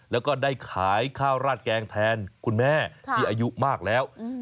แล้วก็ได้ขายข้าวราดแกงแทนคุณแม่ที่อายุมากแล้ว